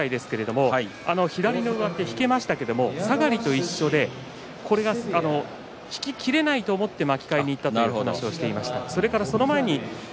正代ですけれども左の上手引けましたけれども下がりと一緒で引ききれないと思ったので巻き替えにいったということを話しています。